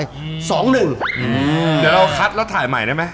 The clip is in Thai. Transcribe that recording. เดี๋ยวคัทแล้วถ่ายใหม่ได้มั้ย